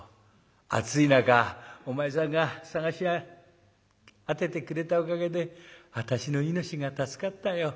暑い中お前さんが探し当ててくれたおかげで私の命が助かったよ」。